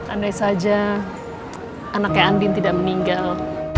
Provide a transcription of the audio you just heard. andai saja anaknya andin tidak meninggal